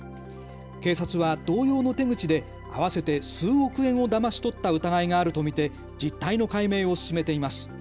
警察は同様の手口で合わせて数億円をだまし取った疑いがあると見て実態の解明を進めています。